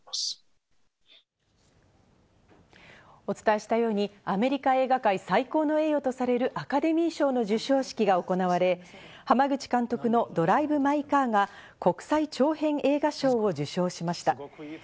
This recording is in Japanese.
お伝えしたようにアメリカ映画界最高の栄誉とされるアカデミー賞の授賞式が行われ、濱口監督の『ドライブ・マイ・カー』が国際長編映画賞を受賞しました。